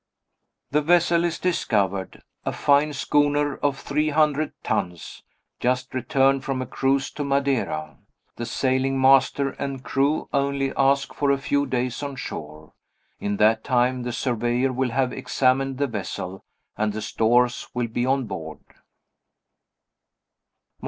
The vessel is discovered a fine schooner of three hundred tons, just returned from a cruise to Madeira. The sailing master and crew only ask for a few days on shore. In that time the surveyor will have examined the vessel, and the stores will be on board.